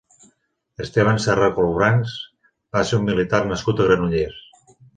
Esteban Serra Colobrans va ser un militar nascut a Granollers.